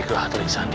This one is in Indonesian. baiklah telik sandi